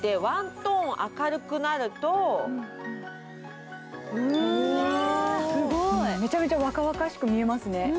トーン明るくなるとめちゃめちゃ若々しく見えますね。